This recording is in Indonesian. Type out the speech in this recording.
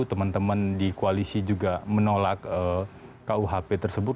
teman teman di koalisi juga menolak kuhp tersebut